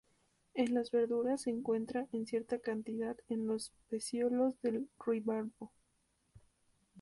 En las verduras se encuentra en cierta cantidad en los peciolos del ruibarbo.